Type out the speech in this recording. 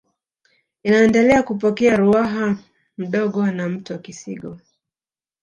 Inaendelea kupokea Ruaha Mdogo na mto Kisigo